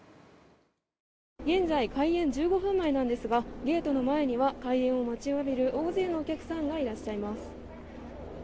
現在開園１５分前ですがゲートの前には開園を待ちわびる大勢のお客さんがいらっしゃいます。